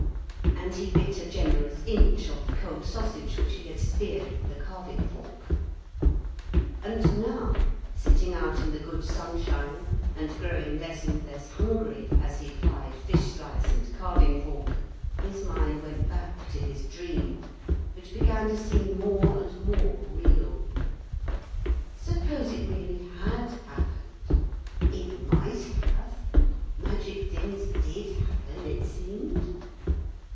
And he bit a generous inch off the cold sausage which he had speared with the carving fork. And now, sitting out in the good sunshine, and growing less and less hungry as he plied fish slice and carving fork, his mind went back to his dream, which began to seem more and more real. Suppose it really had happened? It might have; magic things did happen, it seemed.